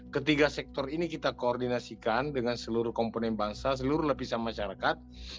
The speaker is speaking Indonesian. ketiga sektor ini kita koordinasikan dengan seluruh komponen bangsa seluruh lapisan masyarakat